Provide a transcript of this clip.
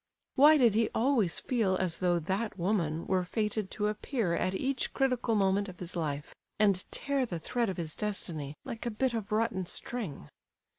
Why did he always feel as though "that woman" were fated to appear at each critical moment of his life, and tear the thread of his destiny like a bit of rotten string?